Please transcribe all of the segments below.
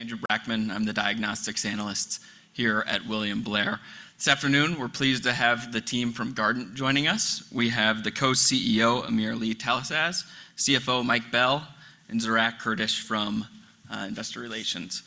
Andrew Brackmann. I'm the diagnostics analyst here at William Blair. This afternoon, we're pleased to have the team from Guardant joining us. We have the co-CEO, AmirAli Talasaz, CFO Mike Bell, and Zarak Khurshid from investor relations.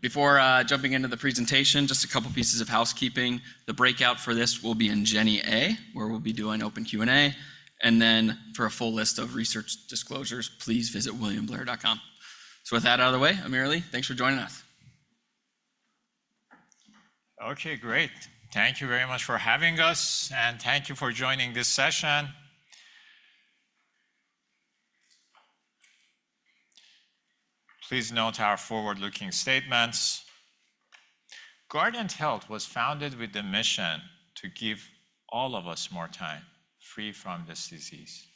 Before jumping into the presentation, just a couple pieces of housekeeping. The breakout for this will be in Jenner A, where we'll be doing open Q&A. For a full list of research disclosures, please visit williamblair.com. So with that out of the way, AmirAli, thanks for joining us. Okay, great. Thank you very much for having us, and thank you for joining this session. Please note our forward-looking statements. Guardant Health was founded with the mission to give all of us more time, free from this disease.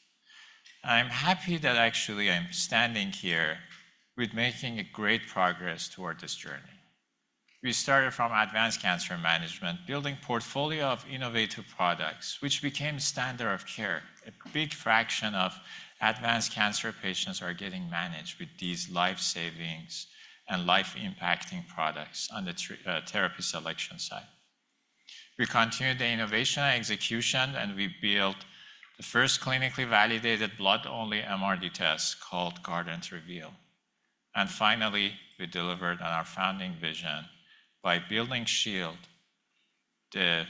I'm happy that actually I'm standing here with making a great progress toward this journey. We started from advanced cancer management, building portfolio of innovative products, which became standard of care. A big fraction of advanced cancer patients are getting managed with these life-saving and life-impacting products on the therapy selection side. We continued the innovation and execution, and we built the first clinically validated blood-only MRD test called Guardant Reveal. Finally, we delivered on our founding vision by building Shield, the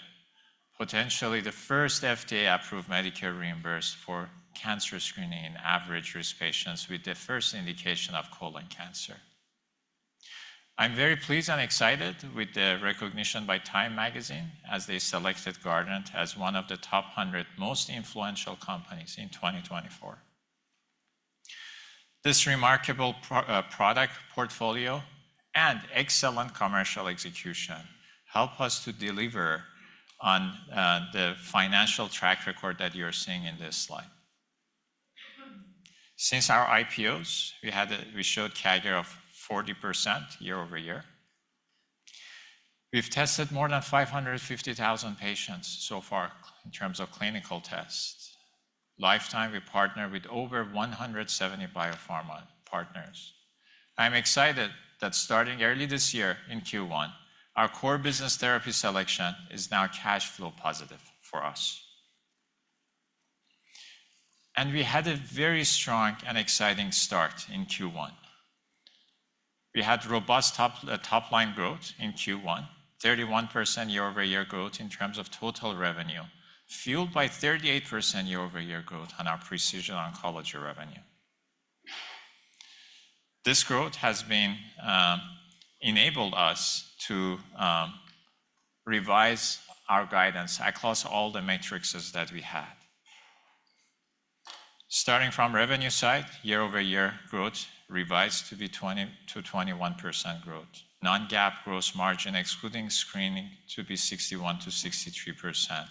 potentially the first FDA-approved Medicare-reimbursed for cancer screening in average-risk patients with the first indication of colon cancer. I'm very pleased and excited with the recognition by TIME, as they selected Guardant as one of the top 100 most influential companies in 2024. This remarkable product portfolio and excellent commercial execution help us to deliver on the financial track record that you're seeing in this slide. Since our IPOs, we showed CAGR of 40% year-over-year. We've tested more than 550,000 patients so far in terms of clinical tests. Lifetime, we partner with over 170 biopharma partners. I'm excited that starting early this year, in Q1, our core business therapy selection is now cash flow positive for us. And we had a very strong and exciting start in Q1. We had robust top, top-line growth in Q1, 31% year-over-year growth in terms of total revenue, fueled by 38% year-over-year growth on our precision oncology revenue. This growth has been enabled us to revise our guidance across all the metrics that we had. Starting from revenue side, year-over-year growth revised to be 20%-21% growth. Non-GAAP gross margin, excluding screening, to be 61%-63%.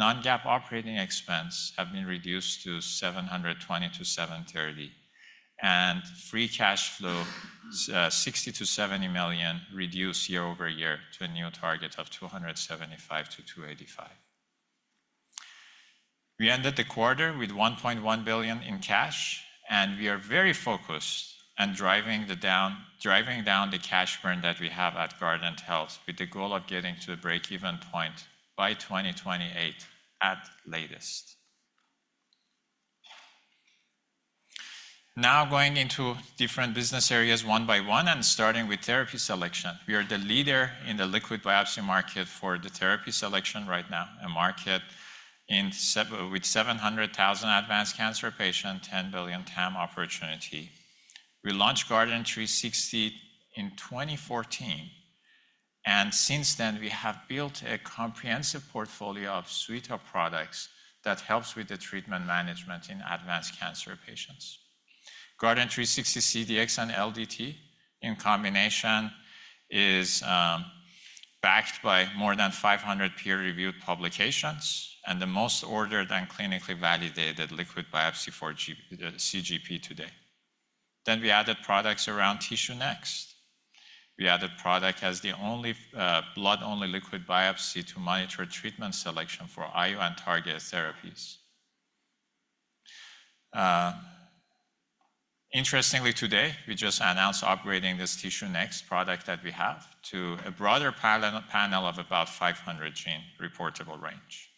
Non-GAAP operating expense have been reduced to $720 million-$730 million, and free cash flow, $60 million-$70 million, reduced year over year to a new target of $275 million-$285 million. We ended the quarter with $1.1 billion in cash, and we are very focused on driving down the cash burn that we have at Guardant Health, with the goal of getting to a break-even point by 2028 at latest. Now, going into different business areas one by one, and starting with therapy selection. We are the leader in the liquid biopsy market for the therapy selection right now, a market with 700,000 advanced cancer patients, $10 billion TAM opportunity. We launched Guardant360 in 2014, and since then, we have built a comprehensive portfolio of suite of products that helps with the treatment management in advanced cancer patients. Guardant360 CDx and LDT in combination is backed by more than 500 peer-reviewed publications, and the most ordered and clinically validated liquid biopsy for CGP today. Then we added products around TissueNext. We added product as the only blood-only liquid biopsy to monitor treatment selection for IO and targeted therapies. Interestingly, today, we just announced upgrading this TissueNext product that we have to a broader panel of about 500 gene reportable range.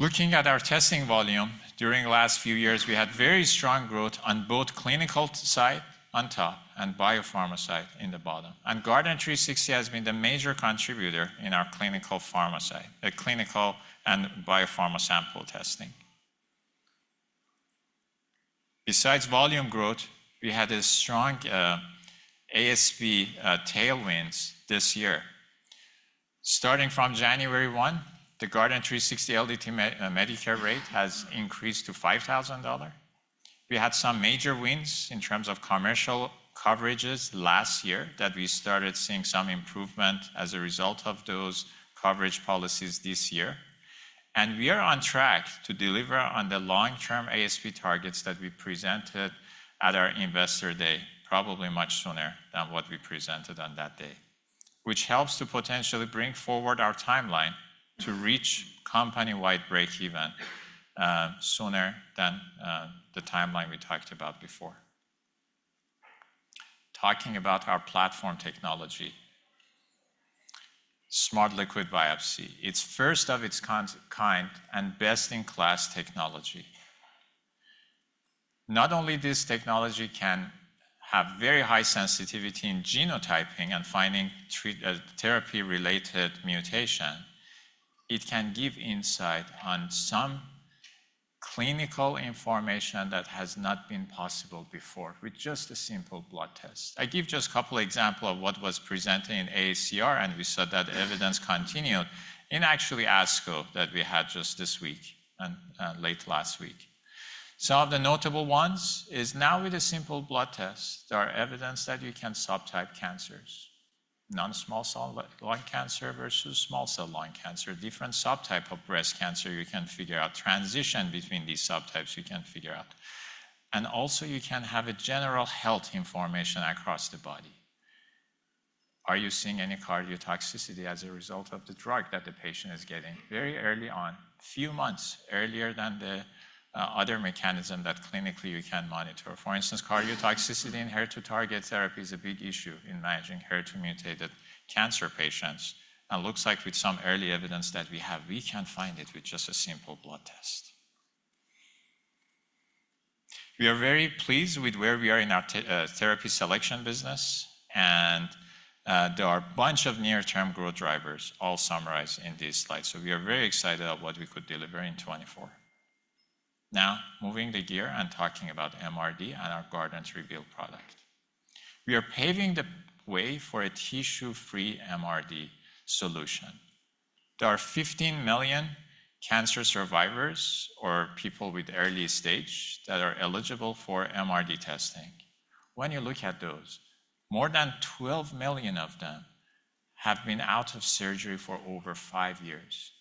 Looking at our testing volume, during the last few years, we had very strong growth on both clinical side, on top, and biopharma side in the bottom, and Guardant360 has been the major contributor in our clinical and biopharma sample testing. Besides volume growth, we had a strong ASP tailwinds this year. Starting from January 1st, the Guardant360 LDT Medicare rate has increased to $5,000. We had some major wins in terms of commercial coverages last year, that we started seeing some improvement as a result of those coverage policies this year. We are on track to deliver on the long-term ASP targets that we presented at our Investor Day, probably much sooner than what we presented on that day.... which helps to potentially bring forward our timeline to reach company-wide breakeven, sooner than the timeline we talked about before. Talking about our platform technology, smart liquid biopsy. It's first of its kind, kind, and best-in-class technology. Not only this technology can have very high sensitivity in genotyping and finding therapy-related mutation, it can give insight on some clinical information that has not been possible before with just a simple blood test. I give just a couple examples of what was presented in AACR, and we saw that evidence continued in actually ASCO, that we had just this week and late last week. Some of the notable ones is now with a simple blood test, there are evidence that you can subtype cancers, non-small cell lung cancer versus small cell lung cancer, different subtype of breast cancer you can figure out, transition between these subtypes you can figure out. And also, you can have a general health information across the body. Are you seeing any cardiotoxicity as a result of the drug that the patient is getting? Very early on, a few months earlier than the other mechanism that clinically you can monitor. For instance, cardiotoxicity in HER2-target therapy is a big issue in managing HER2-mutated cancer patients, and looks like with some early evidence that we have, we can find it with just a simple blood test. We are very pleased with where we are in our therapy selection business, and, there are a bunch of near-term growth drivers all summarized in this slide. So we are very excited about what we could deliver in 2024. Now, moving the gear and talking about MRD and our Guardant Reveal product. We are paving the way for a tissue-free MRD solution. There are 15 million cancer survivors or people with early stage that are eligible for MRD testing. When you look at those, more than 12 million of them have been out of surgery for over five years.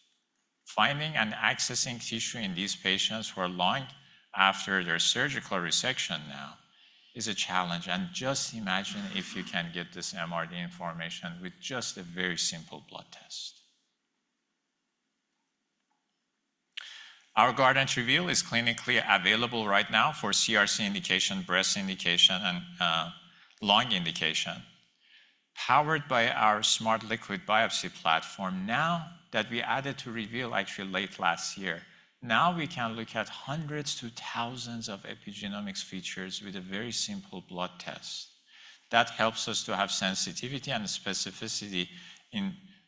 Finding and accessing tissue in these patients who are long after their surgical resection now is a challenge, and just imagine if you can get this MRD information with just a very simple blood test. Our Guardant Reveal is clinically available right now for CRC indication, breast indication, and lung indication. Powered by our smart liquid biopsy platform, now that we added to Reveal actually late last year, now we can look at hundreds to thousands of epigenomics features with a very simple blood test. That helps us to have sensitivity and specificity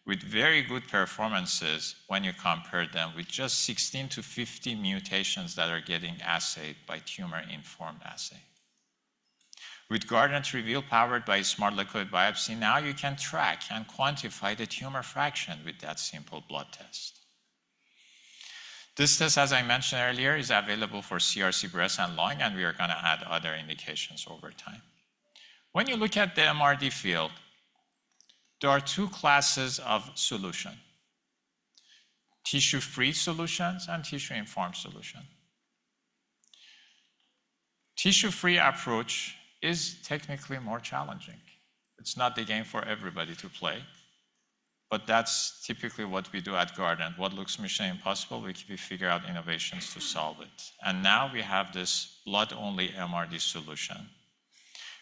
with very good performances when you compare them with just 16-50 mutations that are getting assayed by tumor-informed assay. With Guardant Reveal, powered by smart liquid Biopsy, now you can track and quantify the tumor fraction with that simple blood test. This test, as I mentioned earlier, is available for CRC, breast, and lung, and we are gonna add other indications over time. When you look at the MRD field, there are two classes of solution: tissue-free solutions and tissue-informed solution. Tissue-free approach is technically more challenging. It's not the game for everybody to play, but that's typically what we do at Guardant. What looks mission impossible, we figure out innovations to solve it, and now we have this blood-only MRD solution.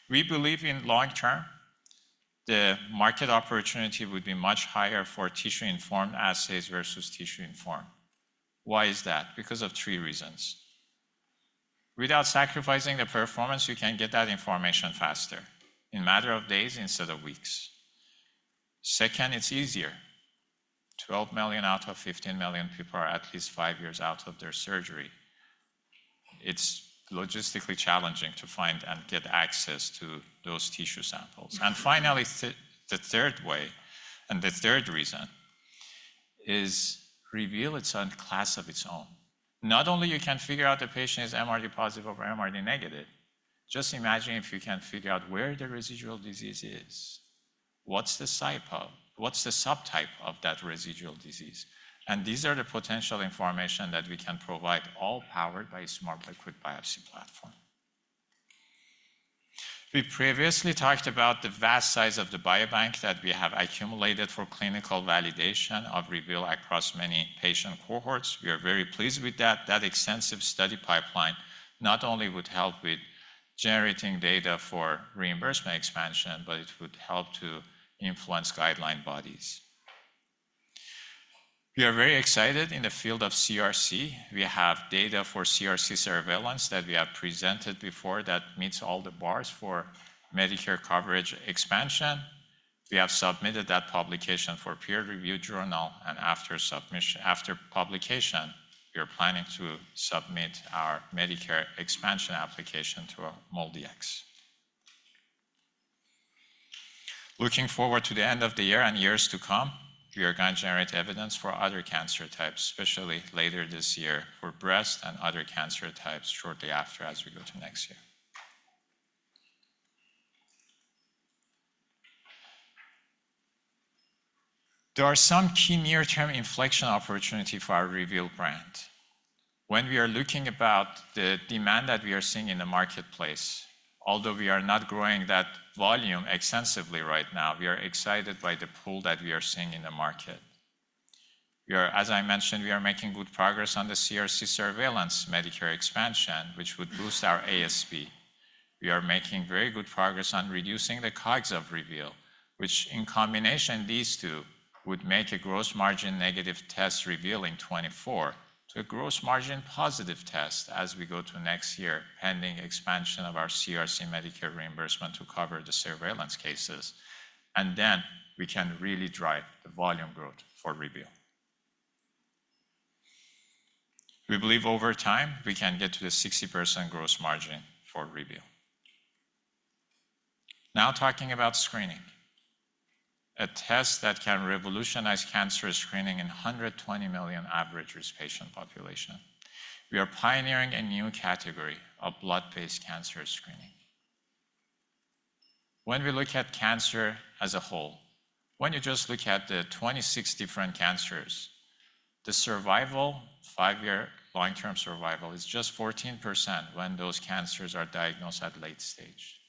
We believe in long term, the market opportunity would be much higher for tissue-informed assays versus tissue-informed. Why is that? Because of three reasons. Without sacrificing the performance, you can get that information faster, in a matter of days instead of weeks. Second, it's easier. 12 million out of 15 million people are at least five years out of their surgery. It's logistically challenging to find and get access to those tissue samples. And finally, the third way, and the third reason, is Reveal is in a class of its own. Not only you can figure out the patient is MRD positive or MRD negative, just imagine if you can figure out where the residual disease is. What's the site of what's the subtype of that residual disease? And these are the potential information that we can provide, all powered by smart liquid biopsy platform. We previously talked about the vast size of the biobank that we have accumulated for clinical validation of Reveal across many patient cohorts. We are very pleased with that. That extensive study pipeline not only would help with generating data for reimbursement expansion, but it would help to influence guideline bodies. We are very excited in the field of CRC. We have data for CRC surveillance that we have presented before that meets all the bars for Medicare coverage expansion. We have submitted that publication for peer review journal, and after submission - after publication, we are planning to submit our Medicare expansion application to MolDX. Looking forward to the end of the year and years to come, we are gonna generate evidence for other cancer types, especially later this year, for breast and other cancer types shortly after as we go to next year.... There are some key near-term inflection opportunity for our Reveal brand. When we are looking about the demand that we are seeing in the marketplace, although we are not growing that volume extensively right now, we are excited by the pool that we are seeing in the market. We are. As I mentioned, we are making good progress on the CRC surveillance Medicare expansion, which would boost our ASP. We are making very good progress on reducing the COGS of Reveal, which in combination, these two would make a gross margin negative test Reveal in 2024, to a gross margin positive test as we go to next year, pending expansion of our CRC Medicare reimbursement to cover the surveillance cases, and then we can really drive the volume growth for Reveal. We believe over time, we can get to a 60% gross margin for Reveal. Now, talking about screening, a test that can revolutionize cancer screening in 120 million average-risk patient population. We are pioneering a new category of blood-based cancer screening. When we look at cancer as a whole, when you just look at the 26 different cancers, the survival, five-year long-term survival, is just 14% when those cancers are diagnosed at late stage.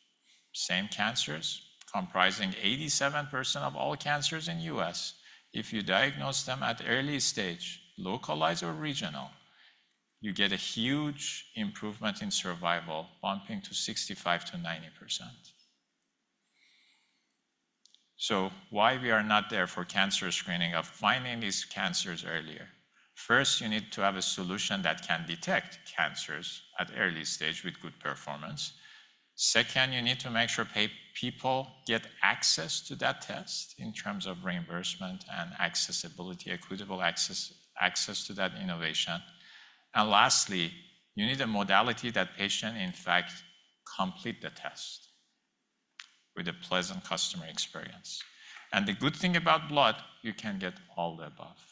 Same cancers, comprising 87% of all cancers in U.S., if you diagnose them at early stage, localized or regional, you get a huge improvement in survival, bumping to 65%-90%. So why we are not there for cancer screening of finding these cancers earlier? First, you need to have a solution that can detect cancers at early stage with good performance. Second, you need to make sure people get access to that test in terms of reimbursement and accessibility, equitable access, access to that innovation. And lastly, you need a modality that patient, in fact, complete the test with a pleasant customer experience. The good thing about blood, you can get all the above.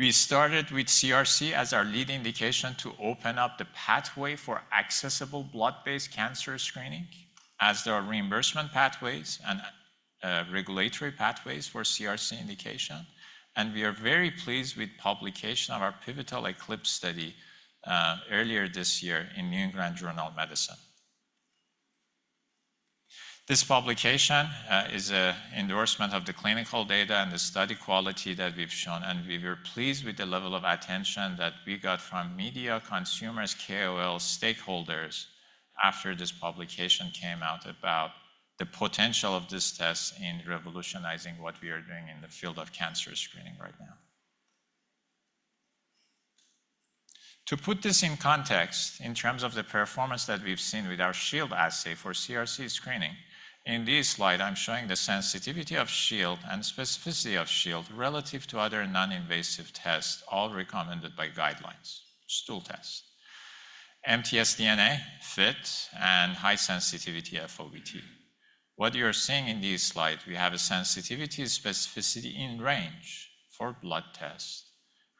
We started with CRC as our lead indication to open up the pathway for accessible blood-based cancer screening, as there are reimbursement pathways and regulatory pathways for CRC indication, and we are very pleased with publication of our pivotal ECLIPSE study earlier this year in New England Journal of Medicine. This publication is a endorsement of the clinical data and the study quality that we've shown, and we were pleased with the level of attention that we got from media, consumers, KOLs, stakeholders, after this publication came out about the potential of this test in revolutionizing what we are doing in the field of cancer screening right now. To put this in context, in terms of the performance that we've seen with our Shield assay for CRC screening, in this slide, I'm showing the sensitivity of Shield and specificity of Shield relative to other non-invasive tests, all recommended by guidelines: stool test, mt-sDNA, FIT, and high-sensitivity FOBT. What you are seeing in this slide, we have a sensitivity, specificity in range for blood test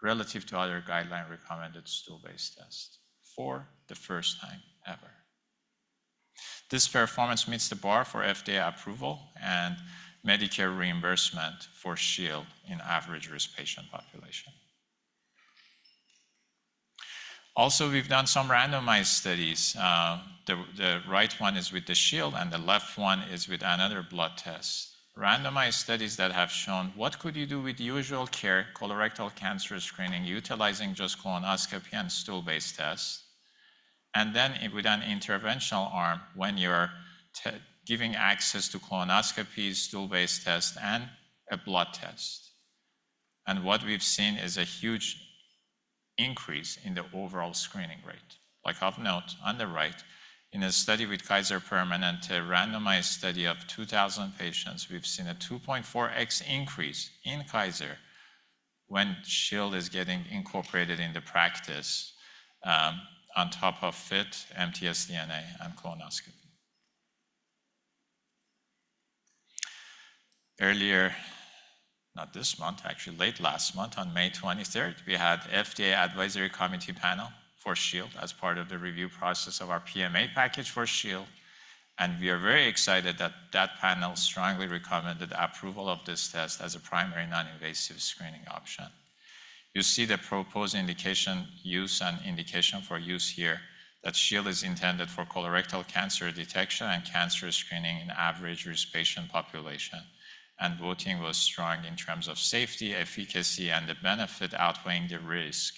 relative to other guideline-recommended stool-based test for the first time ever. This performance meets the bar for FDA approval and Medicare reimbursement for Shield in average-risk patient population. Also, we've done some randomized studies. The right one is with the Shield, and the left one is with another blood test. Randomized studies that have shown what you could do with usual care, colorectal cancer screening, utilizing just colonoscopy and stool-based test, and then with an interventional arm, when you're giving access to colonoscopy, stool-based test, and a blood test. What we've seen is a huge increase in the overall screening rate. Like of note, on the right, in a study with Kaiser Permanente, a randomized study of 2,000 patients, we've seen a 2.4x increase in Kaiser when Shield is getting incorporated into practice, on top of FIT, mt-sDNA, and colonoscopy. Earlier. Not this month, actually late last month, on May 23rd, we had FDA advisory committee panel for Shield as part of the review process of our PMA package for Shield, and we are very excited that that panel strongly recommended approval of this test as a primary non-invasive screening option. You see the proposed indication use and indication for use here, that Shield is intended for colorectal cancer detection and cancer screening in average-risk patient population, and voting was strong in terms of safety, efficacy, and the benefit outweighing the risk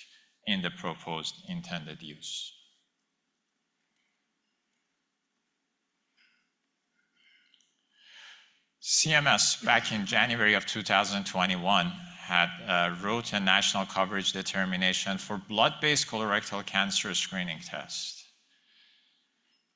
in the proposed intended use. CMS, back in January 2021, had wrote a national coverage determination for blood-based colorectal cancer screening test.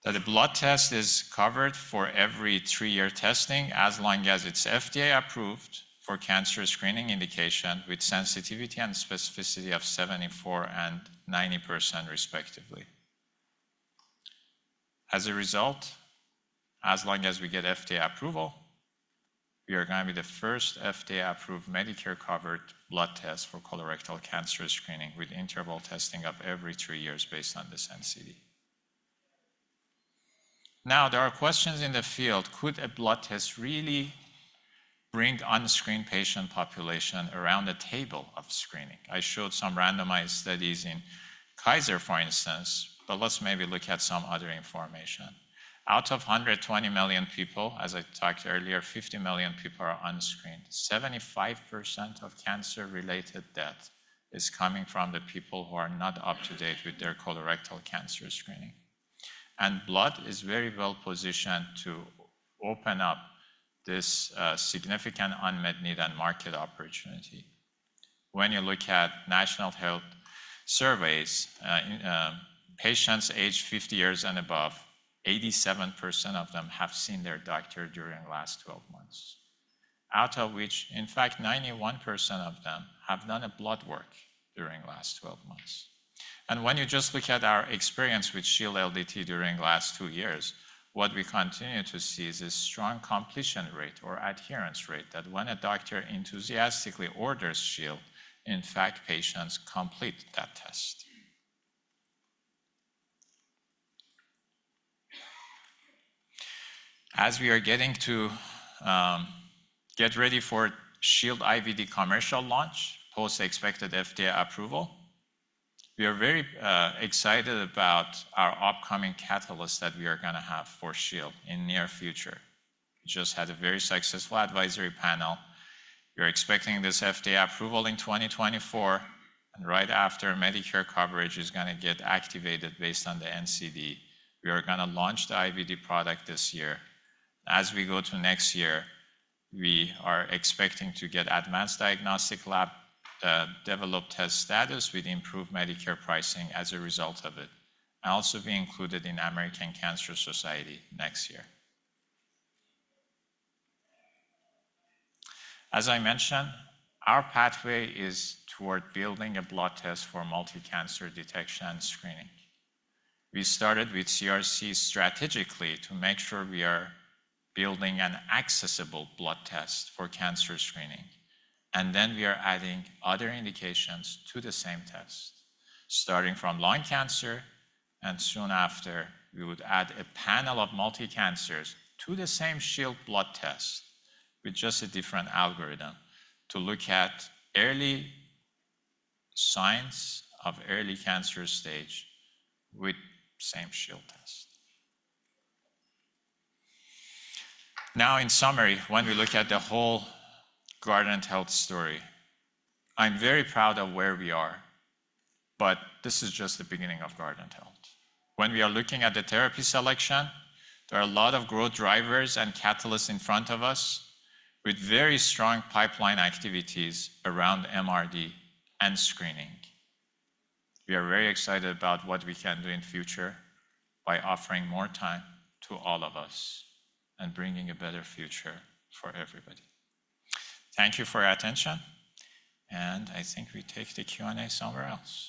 That a blood test is covered for every three-year testing, as long as it's FDA-approved for cancer screening indication, with sensitivity and specificity of 74% and 90%, respectively. As a result, as long as we get FDA approval, we are gonna be the first FDA-approved Medicare-covered blood test for colorectal cancer screening, with interval testing of every three years based on this NCD. Now, there are questions in the field: could a blood test really bring the unscreened patient population around the table of screening? I showed some randomized studies in Kaiser, for instance, but let's maybe look at some other information. Out of 120 million people, as I talked earlier, 50 million people are unscreened. 75% of cancer-related death is coming from the people who are not up-to-date with their colorectal cancer screening. Blood is very well positioned to open up this significant unmet need and market opportunity. When you look at national health surveys, patients aged 50 years and above, 87% of them have seen their doctor during the last 12 months, out of which, in fact, 91% of them have done a blood work during the last 12 months. When you just look at our experience with Shield LDT during the last two years, what we continue to see is a strong completion rate or adherence rate, that when a doctor enthusiastically orders Shield, in fact, patients complete that test. As we are getting to get ready for Shield IVD commercial launch, post-expected FDA approval, we are very excited about our upcoming catalyst that we are going to have for Shield in near future. We just had a very successful advisory panel. We're expecting this FDA approval in 2024, and right after, Medicare coverage is going to get activated based on the NCD. We are going to launch the IVD product this year. As we go to next year, we are expecting to get advanced diagnostic laboratory test status with improved Medicare pricing as a result of it, and also be included in American Cancer Society next year. As I mentioned, our pathway is toward building a blood test for multi-cancer detection and screening. We started with CRC strategically to make sure we are building an accessible blood test for cancer screening, and then we are adding other indications to the same test, starting from lung cancer, and soon after, we would add a panel of multi-cancers to the same Shield blood test with just a different algorithm to look at early signs of early cancer stage with same Shield test. Now, in summary, when we look at the whole Guardant Health story, I'm very proud of where we are, but this is just the beginning of Guardant Health. When we are looking at the therapy selection, there are a lot of growth drivers and catalysts in front of us, with very strong pipeline activities around MRD and screening. We are very excited about what we can do in future by offering more time to all of us, and bringing a better future for everybody. Thank you for your attention, and I think we take the Q&A somewhere else.